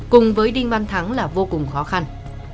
cùng với đinh văn thắng là vô cùng khó khăn